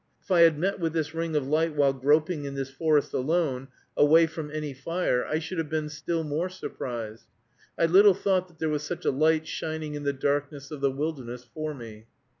If I had met with this ring of light while groping in this forest alone, away from any fire, I should have been still more surprised. I little thought that there was such a light shining in the darkness of the wilderness for me.